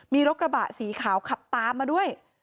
มีรถกระบะสีขาวขับตามมาด้วย